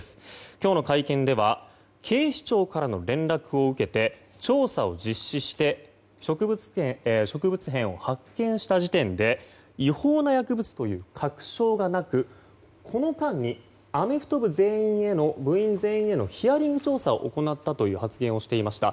今日の会見では警視庁からの連絡を受けて調査を実施して植物片を発見した時点で違法な薬物という確証がなくこの間に、アメフト部員全員へのヒアリング調査を行ったという発言をしていました。